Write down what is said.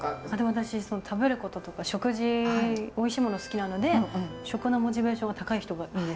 私食べることとか食事おいしいもの好きなので食のモチベーションが高い人がいいんですよ。